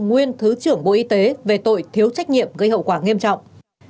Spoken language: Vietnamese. nguyên thứ trưởng bộ y tế về tội thiếu trách nhiệm gây hậu quả nghiêm trọng